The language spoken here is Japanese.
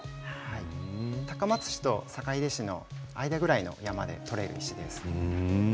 高松市と坂出市の間くらいの山採れる石です。